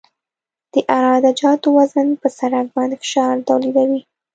د عراده جاتو وزن په سرک باندې فشار تولیدوي